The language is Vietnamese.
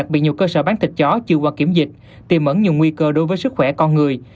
bị nhiều cơ sở bán thịt chó chưa qua kiểm dịch tìm mẫn nhiều nguy cơ đối với sức khỏe con người